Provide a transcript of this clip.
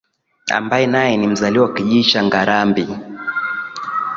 ambaye naye ni mzaliwa wa Kijiji cha Ngarambi